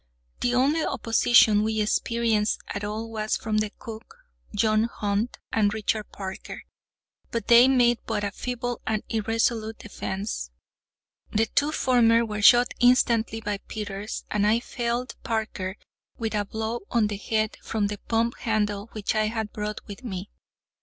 The only opposition we experienced at all was from the cook, John Hunt, and Richard Parker; but they made but a feeble and irresolute defence. The two former were shot instantly by Peters, and I felled Parker with a blow on the head from the pump handle which I had brought with me.